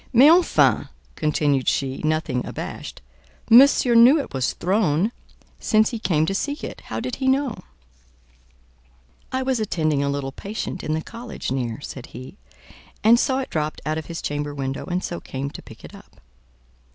"Mais enfin," continued she, nothing abashed, "monsieur knew it was thrown, since he came to seek it—how did he know?" "I was attending a little patient in the college near," said he, "and saw it dropped out of his chamber window, and so came to pick it up."